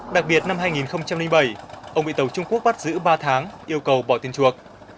đặc biệt năm hai nghìn bảy ông bị tàu trung quốc bắt giữ ba tháng yêu cầu bỏ tiền chuộc